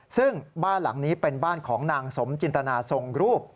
ซึ่งบ้านหลังนี้เป็นบ้านของนางสมจินตนาทรงรูป